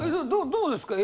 どうですか？